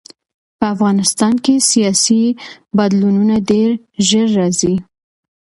په افغانستان کې سیاسي بدلونونه ډېر ژر راځي.